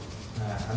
cái tội là động trờ